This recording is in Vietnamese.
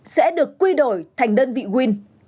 sẽ được quy đổi thành đơn vị win